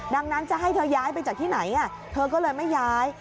ดังนั้นจะให้เธอย้ายไปจากที่ไหนเธอก็เลยไม่ย้าย